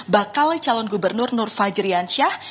bakal calon gubernur nur fajriansyah